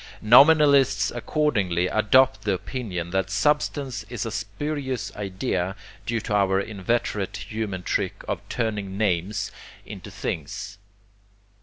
Nominalists accordingly adopt the opinion that substance is a spurious idea due to our inveterate human trick of turning names into things.